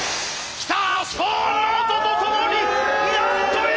きた！